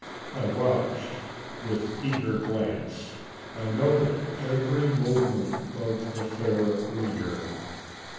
I watched with eager glance. I noted every movement of the fair reader.